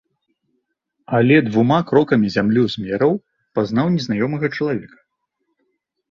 Але двума крокамі зямлю змераў, пазнаў незнаёмага чалавека.